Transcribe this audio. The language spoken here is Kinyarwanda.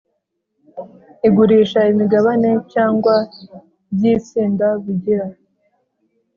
Igurisha imigabane cyangwa by itsinda bugira